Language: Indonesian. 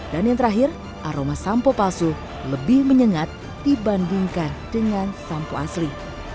dan yang terakhir aroma sampo palsu lebih menyengat dibandingkan dengan sampo asli